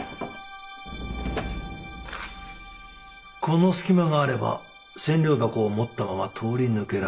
この隙間があれば千両箱を持ったまま通り抜けられよう。